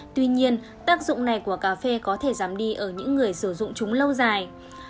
tuy nhiên tác dụng này của cà phê có thể giảm đi ở những người sử dụng chúng lâu dài